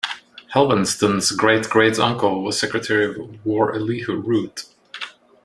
Helvenston's great-great-uncle was Secretary of War Elihu Root.